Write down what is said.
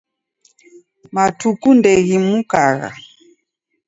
Matuku ndeghimukagha.